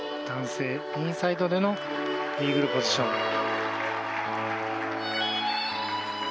男性、インサイドでのイーグルポジション。